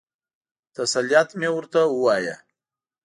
تسلیت مې ورته ووایه.